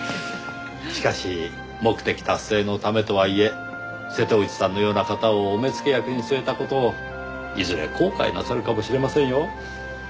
しかし目的達成のためとはいえ瀬戸内さんのような方をお目付け役に据えた事をいずれ後悔なさるかもしれませんよ。